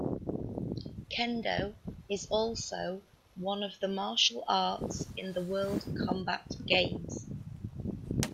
Kendo is also one of the martial arts in the World Combat Games.